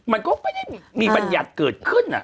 มันก็ไม่ได้มีบัญญัติเกิดขึ้น